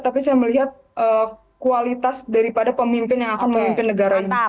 tapi saya melihat kualitas daripada pemimpin yang akan memimpin negara ini